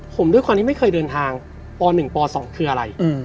ผมด้วยความที่ไม่เคยเดินทางป๑ป๒คืออะไร